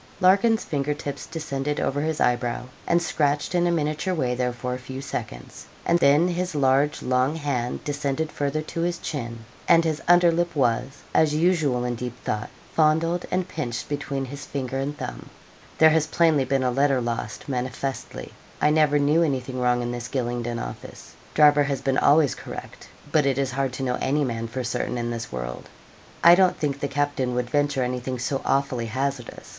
Larkin's finger tips descended over his eyebrow, and scratched in a miniature way there for a few seconds, and then his large long hand descended further to his chin, and his under lip was, as usual in deep thought, fondled and pinched between his finger and thumb. 'There has plainly been a letter lost, manifestly. I never knew anything wrong in this Gylingden office. Driver has been always correct; but it is hard to know any man for certain in this world. I don't think the captain would venture anything so awfully hazardous.